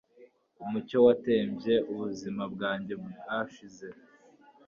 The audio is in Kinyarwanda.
umucyo watembye ubuzima bwanjye bwashize